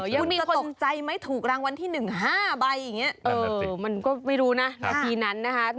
คุณจะตกใจไหมถูกรางวัลที่๑๕ใบอย่างนี้มันก็ไม่รู้นะนาทีนั้นนะคะ